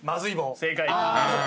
正解。